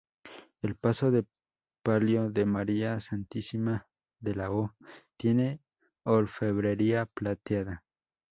El paso de palio de María Santísima de la O tiene orfebrería plateada.